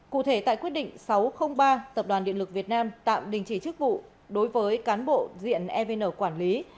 cụ thể tại quyết định sáu trăm linh ba tập đoàn điện lực việt nam tạm đình chỉ chức vụ đối với cán bộ diện evn quản lý